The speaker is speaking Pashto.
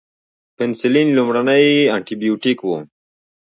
پنسلین لومړنی انټي بیوټیک و